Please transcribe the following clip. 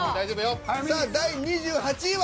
さあ第２８位は。